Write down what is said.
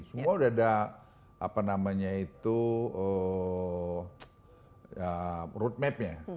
semua sudah ada roadmap nya